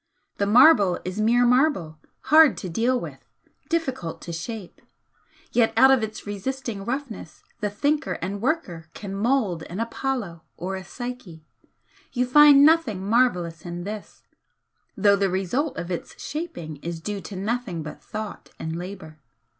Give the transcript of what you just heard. The marble is mere marble, hard to deal with, difficult to shape, yet out of its resisting roughness the thinker and worker can mould an Apollo or a Psyche. You find nothing marvellous in this, though the result of its shaping is due to nothing but Thought and Labour.